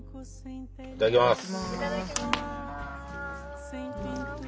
いただきます。